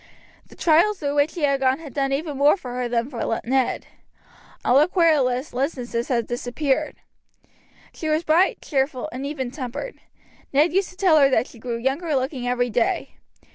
The trials through which she had gone had done even more for her than for Ned. All her querulous listlessness had disappeared. She was bright, cheerful, and even tempered. Ned used to tell her that she grew younger looking every day.